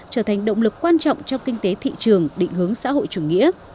trở thành động lực quan trọng trong kinh tế thị trường định hướng xã hội chủ nghĩa